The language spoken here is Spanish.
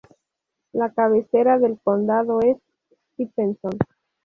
La cabecera del condado es Stephenson.